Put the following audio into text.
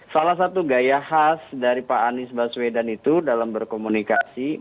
salah satu gaya khas dari pak anies baswedan itu dalam berkomunikasi